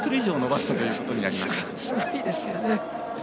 すごいですよね。